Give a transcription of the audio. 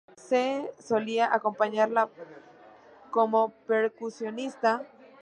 C.", solía acompañarla como percusionista.